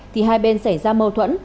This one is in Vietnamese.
thì hai bên xảy ra mâu thuẫn